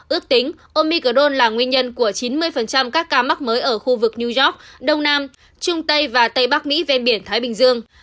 ước tính omicdone là nguyên nhân của chín mươi các ca mắc mới ở khu vực new york đông nam trung tây và tây bắc mỹ ven biển thái bình dương